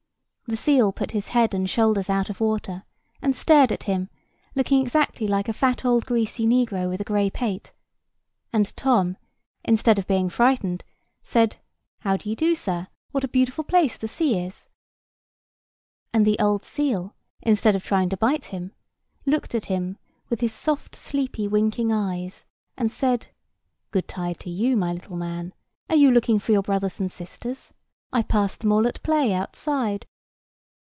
The seal put his head and shoulders out of water, and stared at him, looking exactly like a fat old greasy negro with a gray pate. And Tom, instead of being frightened, said, "How d'ye do, sir; what a beautiful place the sea is!" And the old seal, instead of trying to bite him, looked at him with his soft sleepy winking eyes, and said, "Good tide to you, my little man; are you looking for your brothers and sisters? I passed them all at play outside."